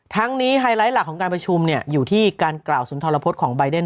ทั้งนี้ไฮไลท์หลักของการประชุมอยู่ที่การกล่าวสุนทรพฤษของใบเดน